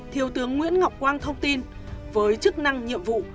thiếu tướng nguyễn ngọc quang thông tin với chức năng nhiệm vụ